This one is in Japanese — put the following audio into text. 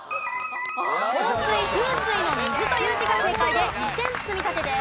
香水風水の「水」という字が正解で２点積み立てです。